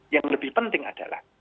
yang lebih penting adalah